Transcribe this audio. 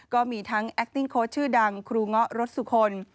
ก็มีทั้งแอคติ้งโค้ชชื่อดังครูเงาะรถสุคล